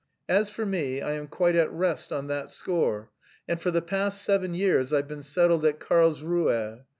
"As for me, I am quite at rest on that score, and for the past seven years I've been settled at Karlsruhe.